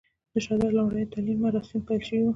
د شهادت لومړي تلین مراسیم پیل شوي و.